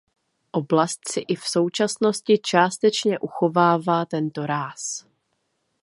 Oblast si i v současnosti částečně uchovává tento ráz.